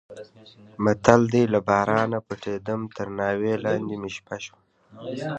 متل دی: له بارانه پټېدم تر ناوې لاندې مې شپه شوه.